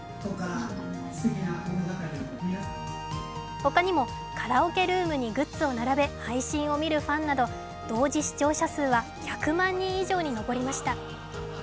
他にもカラオケルームにグッズを並べ配信を見るファンなど同時視聴者数は１００万人以上に上りました。